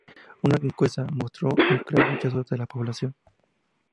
Una encuesta mostró un claro rechazo de la población.